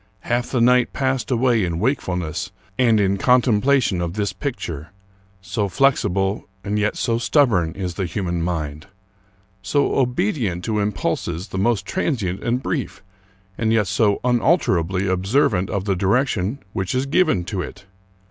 Half the night passed away in wake fulness and in contemplation of this picture. So flexible, and yet so stubborn, is the human mind! So obedient to impulses the most transient and brief, and yet so unalter ably observant of the direction which is given to it!